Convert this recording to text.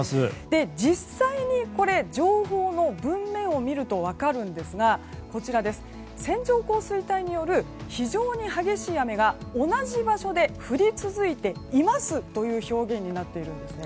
実際にこれ情報の文面を見ると分かるんですが線状降水帯による非常に激しい雨が同じ場所で降り続いていますという表現になっているんですね。